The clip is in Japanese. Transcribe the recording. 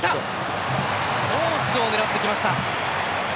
コースを狙ってきました。